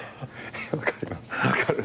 分かります。